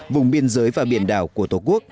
vùng biên giới và biển đảo của tổ quốc